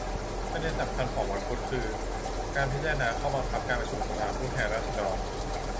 ประเด็นสำคัญของวันพุธ คือ การพิจารณาข้อบังคับการประชุมสภาผู้แทนราษฎร